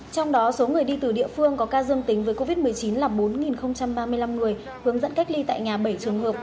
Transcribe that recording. trong đó số người đi từ địa phương có ca dương tính với covid một mươi chín là bốn ba mươi năm người hướng dẫn cách ly tại nhà bảy trường hợp